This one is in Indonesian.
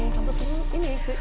tentu sih ini sih